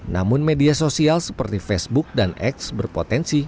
namun media sosial seperti facebook dan x berpotensi